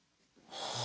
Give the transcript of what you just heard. はあ。